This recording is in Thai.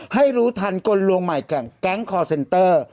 ให้รู้ทันกลลวงใหม่แก่แก๊งคอร์เซนเตอร์